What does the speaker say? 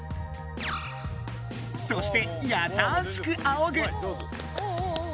そしてやさしくあおぐ！